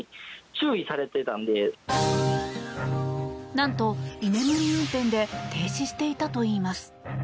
何と、居眠り運転で停止していたといいます。